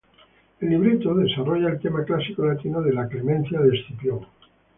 El libreto desarrolla el tema clásico latino de La clemencia de Escipión.